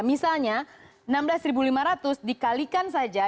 misalnya enam belas ribu lima ratus dikalikan saja